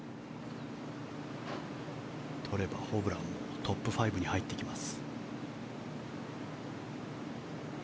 取ればホブランもトップ５に入ってきます。